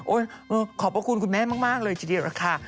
โอ้ยขอบคุณคุณแม่มากเลยที่ดีรักค่ะ